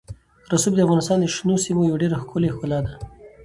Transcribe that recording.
رسوب د افغانستان د شنو سیمو یوه ډېره ښکلې ښکلا ده.